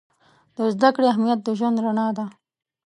د زده کړې اهمیت د ژوند رڼا ده.